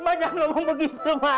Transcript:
mak jangan ngomong begitu mak